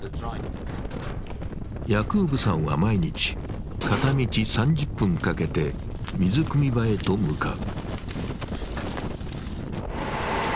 ヤクーブさんは毎日片道３０分かけて水くみ場へと向かう。